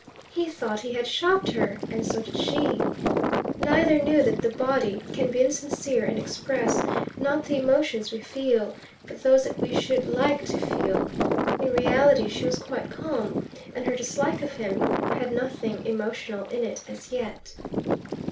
He thought he had shocked her, and so did she. Neither knew that the body can be insincere and express not the emotions we feel but those that we should like to feel. In reality she was quite calm, and her dislike of him had nothing emotional in it as yet.